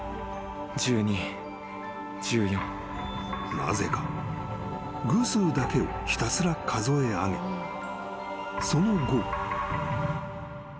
［なぜか偶数だけをひたすら数え上げその後］